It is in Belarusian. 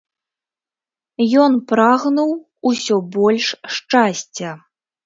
Ён прагнуў усё больш шчасця.